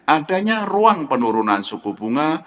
adanya ruang penurunan suku bunga